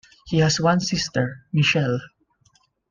He has one sister, Michele.